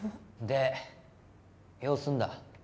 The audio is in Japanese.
で用済んだ？